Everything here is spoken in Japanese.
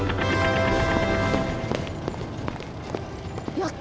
やった！